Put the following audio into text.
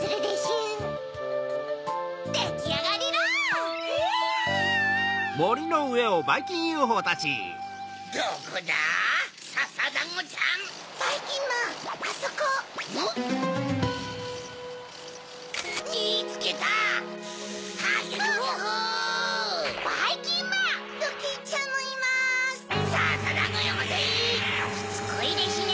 しつこいでしゅね！